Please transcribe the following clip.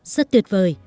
rất tuyệt vời